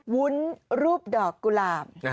วุ้นรูปดอกกุหลาบ